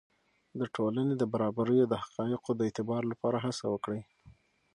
د ټولنې د برابریو د حقایقو د اعتبار لپاره هڅه وکړئ.